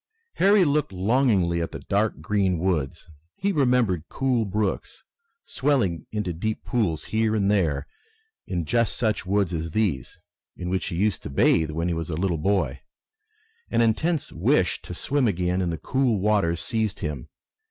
Harry looked longingly at the dark green woods. He remembered cool brooks, swelling into deep pools here and there in just such woods as these, in which he used to bathe when he was a little boy. An intense wish to swim again in the cool waters seized him.